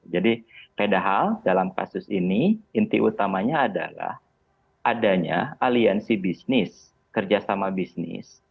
jadi padahal dalam kasus ini inti utamanya adalah adanya aliansi bisnis kerjasama bisnis